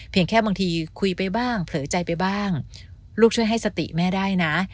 แค่บางทีคุยไปบ้างเผลอใจไปบ้างลูกช่วยให้สติแม่ได้นะ